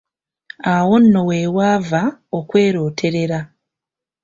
Awo nno weewava okwerooterera.